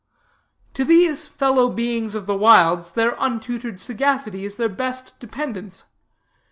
To these fellow beings of the wilds their untutored sagacity is their best dependence.